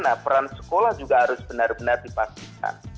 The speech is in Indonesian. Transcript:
nah peran sekolah juga harus benar benar dipastikan